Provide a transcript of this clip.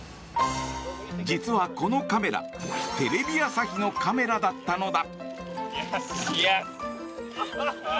実はこのカメラテレビ朝日のカメラだったのだ！